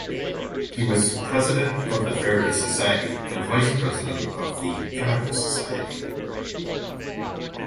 He was President of the Faraday Society and Vice-President of the Chemical Society.